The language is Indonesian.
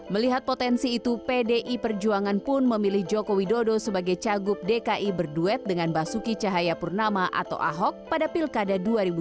melihat potensi itu pdi perjuangan pun memilih joko widodo sebagai cagup dki berduet dengan basuki cahayapurnama atau ahok pada pilkada dua ribu dua puluh